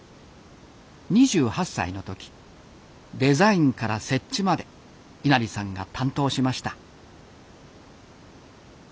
２８歳の時デザインから設置まで稲荷さんが担当しました。